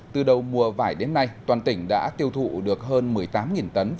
từ đầu mùa vải đến nay toàn tỉnh đã tiêu thụ được hơn một mươi tám tấn vải sớm giá bình quân là hai mươi năm đồng một kg